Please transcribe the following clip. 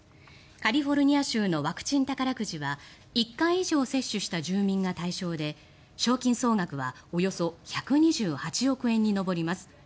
カリフォルニア州のワクチン宝くじは１回以上接種した住民が対象で賞金総額はおよそ１２８億円に上ります。